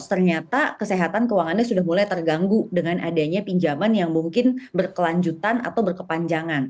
ternyata kesehatan keuangannya sudah mulai terganggu dengan adanya pinjaman yang mungkin berkelanjutan atau berkepanjangan